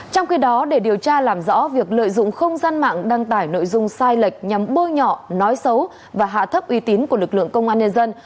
trong khi đó để điều tra làm rõ việc lợi dụng không gian mạng đăng tải nội dung sai lệch nhằm bôi nhọ nói xấu và hạ thấp uy tín của lực lượng công an nhân dân